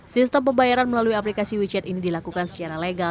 sistem pembayaran melalui aplikasi wechat ini dilakukan secara legal